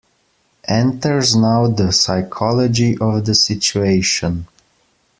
Enters now the psychology of the situation.